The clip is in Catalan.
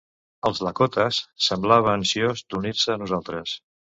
Els Lakotas "... semblava ansiós d'unir-se a nosaltres ".